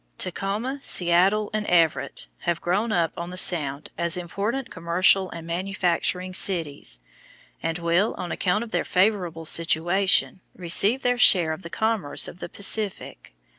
Tacoma, Seattle, and Everett have grown up on the sound as important commercial and manufacturing cities, and will, on account of their favorable situation, receive their share of the commerce of the Pacific.